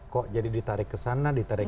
kok jadi ditarik ke sana ditarik